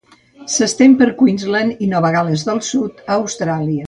S'estén per Queensland i Nova Gal·les del Sud a Austràlia.